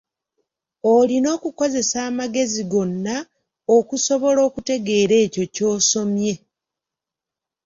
Olina okukozesa amagezi gonna okusobola okutegeera ekyo ky’osomye.